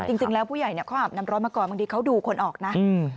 จริงแล้วผู้ใหญ่เนี่ยเขาอาบน้ำร้อนมาก่อนบางทีเขาดูคนออกนะ